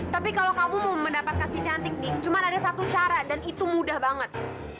tapi kalau kamu mau mendapatkan si cantik nih cuma ada satu cara dan itu mudah banget